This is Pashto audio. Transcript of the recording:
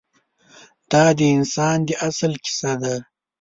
دا د انسان د اصل کیسه ده.